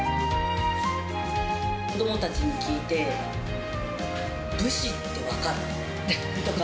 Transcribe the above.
子どもたちに聞いて、武士って分かる？とか、